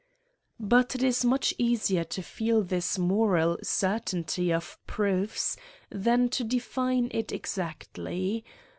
But it is much easier to feel this rtioral certainty of proofs than to define it exactly.